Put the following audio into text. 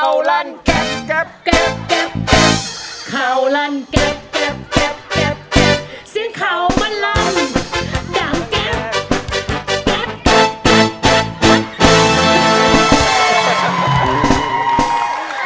เอวลั่นแก๊บเอวลั่นก๊อบก๊อบก๊อบก๊อบก๊อบก๊อบก๊อบ